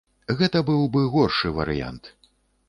Гэта быў бы горшы варыянт.